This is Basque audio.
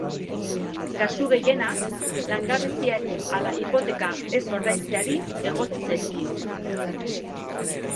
Kasu gehienak, langabeziari ala hipoteka ez ordaintzeari egotzi zaizkio.